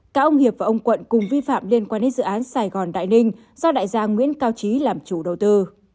cả ông hiệp và ông quận cùng vi phạm liên quan đến dự án sài gòn đại ninh do đại gia nguyễn cao trí làm chủ đầu tư